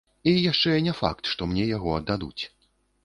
І яшчэ не факт, што мне яго дадуць.